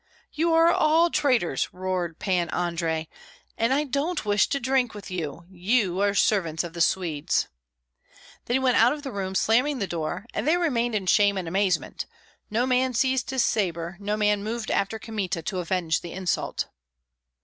"You are all traitors!" roared Pan Andrei, "and I don't wish to drink with you; you are servants of the Swedes." Then he went out of the room, slamming the door, and they remained in shame and amazement; no man seized his sabre, no man moved after Kmita to avenge the insult.